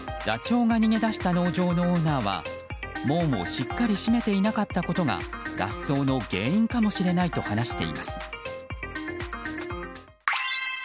ダチョウが逃げ出した農場のオーナーは門をしっかり閉めていなかったことが脱走の原因かもしれないと話しています。